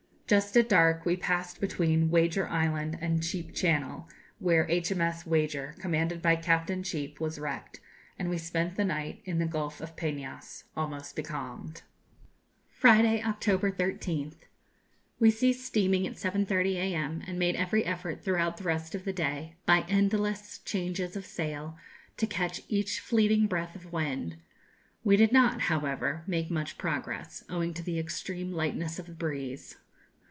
Just at dark, we passed between Wager Island and Cheape Channel, where H.M.S. 'Wager,' commanded by Captain Cheape, was wrecked, and we spent the night in the Gulf of Peñas, almost becalmed. Friday, October 13th. We ceased steaming at 7.30 a.m., and made every effort throughout the rest of the day, by endless changes of sail, to catch each fleeting breath of wind. We did not, however, make much progress, owing to the extreme lightness of the breeze.